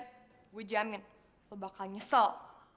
gue jamin lo bakal nyesel